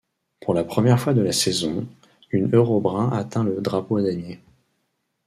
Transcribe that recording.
Pour la première fois de la saison, une Eurobrun atteint le drapeau à damier.